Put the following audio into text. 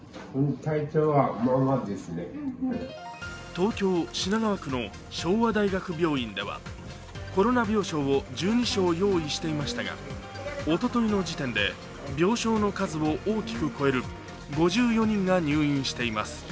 東京・品川区の昭和大学病院では、コロナ病床を１２床用意していましたがおとといの時点で病床の数を大きく超える５４人が入院しています